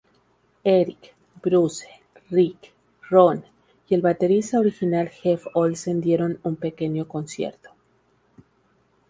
Eric, Bruce, Rick, Ron y el baterista original Jeff Olsen dieron un pequeño concierto.